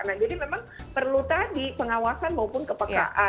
nah jadi memang perlu tadi pengawasan maupun kepekaan